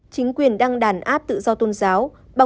chính quyền đăng đàn áp tự do tôn giáo